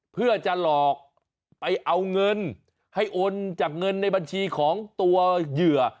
เพื่อจะหลอกไปเอาเงินให้โอนจากเงินในบัญชีของตัวเหยื่อ